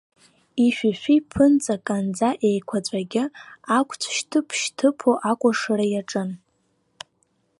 Ишәишәиԥынҵа канӡа еиқәаҵәагьы, ақәцә шьҭыԥа-шьҭыԥо акәашара иаҿын.